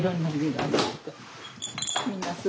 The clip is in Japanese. みんな鈴。